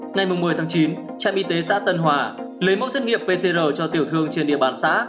ngày một mươi tháng chín trạm y tế xã tân hòa lấy mẫu xét nghiệm pcr cho tiểu thương trên địa bàn xã